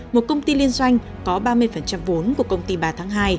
một công ty liên doanh có ba mươi vốn của công ty ba tháng hai